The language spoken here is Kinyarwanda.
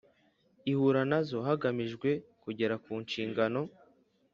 ihura nazo hagamijwe kugera ku nshingano